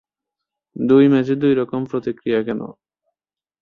দুই ম্যাচে দুই রকম প্রতিক্রিয়া কেন?